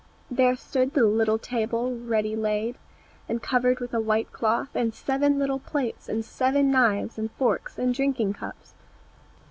There stood the little table ready laid, and covered with a white cloth, and seven little plates, and seven knives and forks, and drinking cups.